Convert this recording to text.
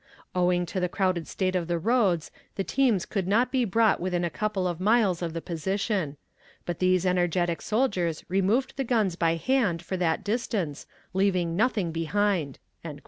Owing to the crowded state of the roads the teams could not be brought within a couple of miles of the position; but these energetic soldiers removed the guns by hand for that distance, leaving nothing behind."